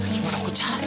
gimana aku cari